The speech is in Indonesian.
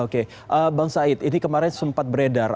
oke bang said ini kemarin sempat beredar